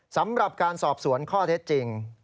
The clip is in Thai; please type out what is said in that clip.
สำหรับการสอบสวนข้อเท็จจริง